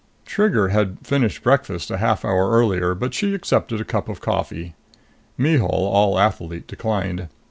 Trigger had finished breakfast a half hour earlier, but she accepted a cup of coffee. Mihul, all athlete, declined.